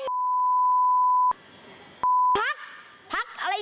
พักอะไรเนี่ย